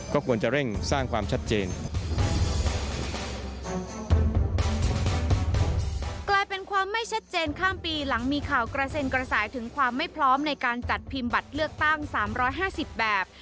กลายเป็นความไม่ชัดเจนข้ามปีหลังมีข่าวกระเซนกระสายถึงความไม่พร้อมในการจัดพิมพ์บัตรเลือกตั้ง๓๕๐แบบ